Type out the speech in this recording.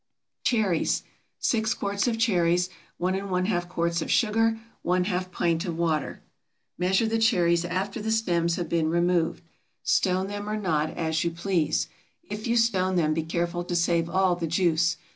CHERRIES. 6 quarts of cherries. 1½ quarts of sugar. ½ pint of water. Measure the cherries after the stems have been removed. Stone them or not, as you please. If you stone them be careful to save all the juice.